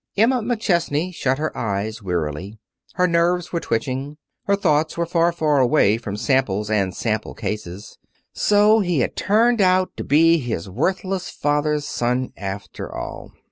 Emma McChesney shut her eyes, wearily. Her nerves were twitching. Her thoughts were far, far away from samples and sample cases. So he had turned out to be his worthless father's son after all!